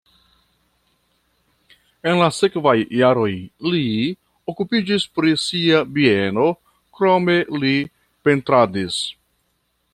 En la sekvaj jaroj li okupiĝis pri sia bieno, krome li pentradis.